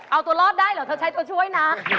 เอาตัวรอดได้เหรอเธอใช้ตัวช่วยนะ